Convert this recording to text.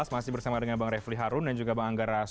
masih bersama dengan bang refli harun dan juga bang anggara